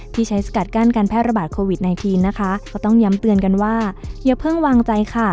ที่ใช้สกัดกั้นการแพร่ระบาดโควิด๑๙นะคะก็ต้องย้ำเตือนกันว่าอย่าเพิ่งวางใจค่ะ